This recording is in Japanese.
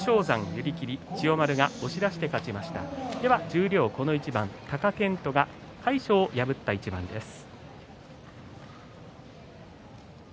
十両この一番貴健斗が魁勝を破った一番です。